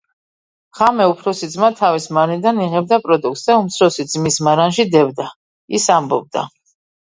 ღამე უფროსი ძმა თავისი მარნიდან იღებდა პროდუქტს და უმცროსი ძმის მარანში დებდა. ის ამბობდა: